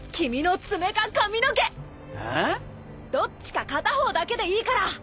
どっちか片方だけでいいから。